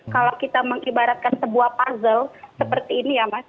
kalau kita mengibaratkan sebuah puzzle seperti ini ya mas